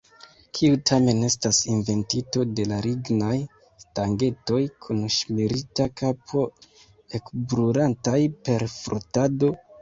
Kiu tamen estas inventinto de la lignaj stangetoj kun ŝmirita kapo, ekbrulantaj per frotado?